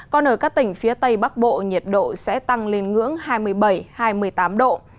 còn ở các tỉnh phía tây bắc bộ nhiệt độ sẽ tăng lên ngưỡng hai mươi bảy hai mươi tám độ